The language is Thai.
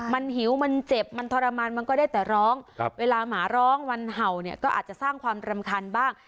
มันหิวมันเจ็บมันทรมานมันก็ได้แต่ร้องเวลาหมาร้องมันเห่าเนี่ยก็อาจจะสร้างความรำคาญบ้าง